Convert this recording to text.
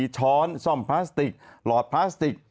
ช้อนซ่อมพลาสติกหลอดพลาสติก